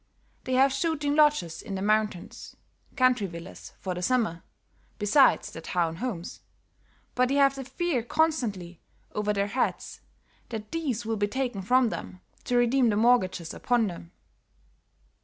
They have shooting lodges in the mountains, country villas for the summer, besides their town homes, but they have the fear constantly over their heads that these will be taken from them, to redeem the mortgages upon them."